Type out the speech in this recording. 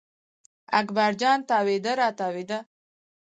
اکبر جان تاوېده را تاوېده.